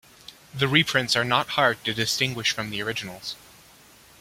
The reprints are not hard to distinguish from the originals.